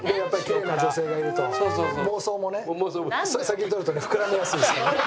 確かにね。それ先にとるとね膨らみやすいですからね。